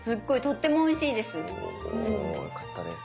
およかったです。